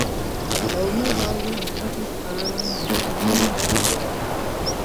La unua fazo implikis aron de kvin insuloj.